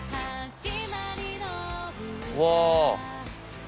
うわ！